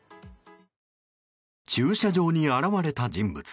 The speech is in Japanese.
駐車場に現れた人物。